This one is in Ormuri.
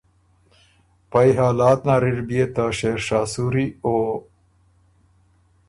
پئ حالات نر اِر بيې ته شېرشاه سوري او